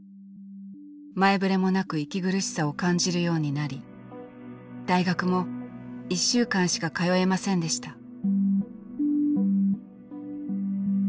前触れもなく息苦しさを感じるようになり大学も１週間しか通えませんでした。